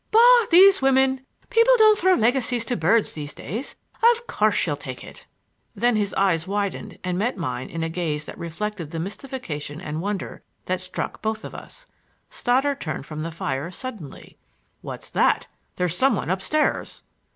"Bah, these women! People don't throw legacies to the birds these days. Of course she'll take it." Then his eyes widened and met mine in a gaze that reflected the mystification and wonder that struck both of us. Stoddard turned from the fire suddenly: "What's that? There's some one up stairs!"